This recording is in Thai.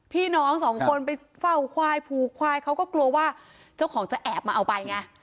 พี่น้องสองคนไปเฝ้าควายผูกควายเขาก็กลัวว่าเจ้าของจะแอบมาเอาไปไง